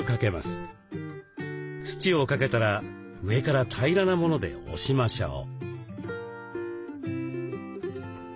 土をかけたら上から平らなもので押しましょう。